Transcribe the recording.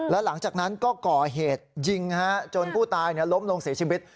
แล้วหลังจากนั้นก็ก่อเหตุยิงจนผู้ตายล้มลงเสียชีวิต